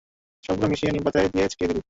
সবগুলো মিশিয়ে নিম পাতায় দিয়ে ছিটিয়ে দিবি।